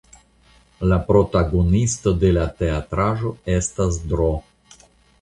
La protagonisto de la teatraĵo estas Dro.